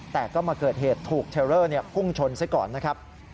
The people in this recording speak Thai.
แต่ก็มาเกิดเหตุถูกเทลเลอร์พุ่งชนซะก่อนนะครับ